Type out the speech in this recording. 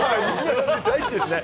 大好きですね。